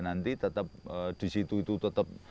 nanti tetap di situ itu tetap